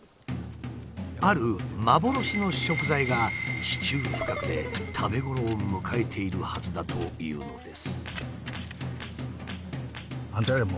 ある幻の食材が地中深くで食べ頃を迎えているはずだというのです。